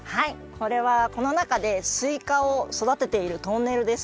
これはこのなかですいかをそだてているトンネルです。